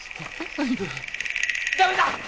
ダメだ！